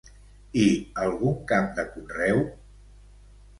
I algun camp de conreu?